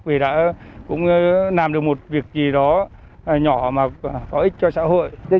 vì đã cũng làm được một việc gì đó nhỏ mà có ích cho xã hội